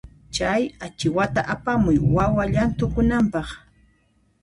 Chay achiwata apamuy wawa llanthukunanpaq.